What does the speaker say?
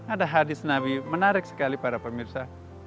ada hadis nabi menarik sekali para pemirsa